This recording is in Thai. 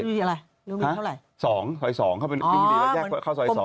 มีอะไรมีเท่าไรซอยสองเข้าไปรุ่มฤดีแล้วแยกเข้าซอยสอง